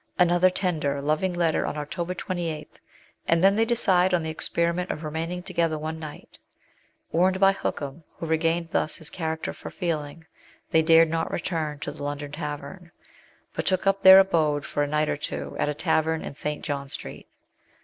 Another tender, loving letter on October 28, and then they decide on the experiment of remaining together one night. Warned by Hookham, who regained thus his character for feeling, they dared not return to the LIFE IN ENGLAND. 83 London Tavern, but took up their abode for a night or two at a tavern in St. John Street.